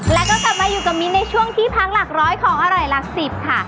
แล้วก็กลับมาอยู่กับมิ้นในช่วงที่พักหลักร้อยของอร่อยหลักสิบค่ะ